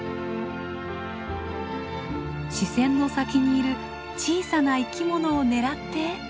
視線の先にいる小さな生きものを狙って。